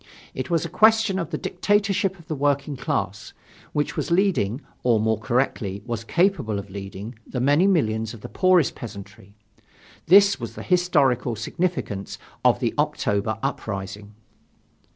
It was a question of the dictatorship of the working class, which was leading, or, more correctly, was capable of leading the many millions of the poorest peasantry. This was the historical significance of the October uprising.